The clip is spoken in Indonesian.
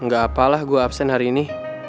gak apalah gue absen hari ini